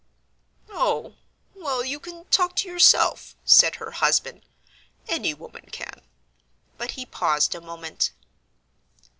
"Oh, well, you can talk to yourself," said her husband, "any woman can." But he paused a moment.